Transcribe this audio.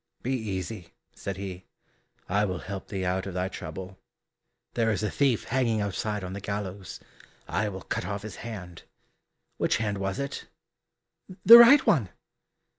"Be easy," said he, "I will help thee out of thy trouble there is a thief hanging outside on the gallows, I will cut off his hand. Which hand was it?" "The right one."